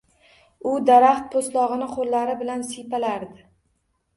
U daraxt poʻstlogʻini qoʻllari bilan siypalardi.